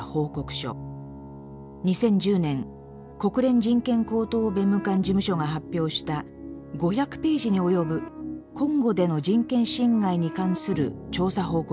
２０１０年国連人権高等弁務官事務所が発表した５００ページに及ぶコンゴでの人権侵害に関する調査報告書です。